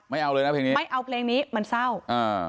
ไม่เอาเลยนะเพลงนี้ไม่เอาเพลงนี้มันเศร้าอ่า